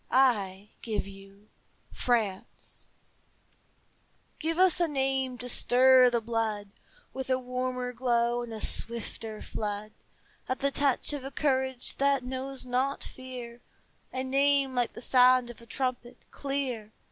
I give you France! Give us a name to stir the blood With a warmer glow and a swifter flood, At the touch of a courage that knows not fear, A name like the sound of a trumpet, clear.